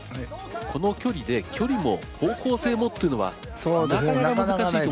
この距離で距離も方向性もっていうのはなかなか難しいと。